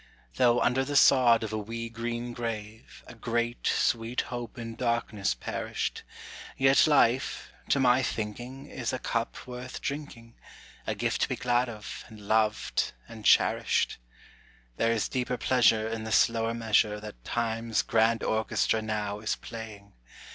Though under the sod of a wee green grave, A great, sweet hope in darkness perished, Yet life, to my thinking, is a cup worth drinking, A gift to be glad of, and loved, and cherished. There is deeper pleasure in the slower measure That Time's grand orchestra now is playing.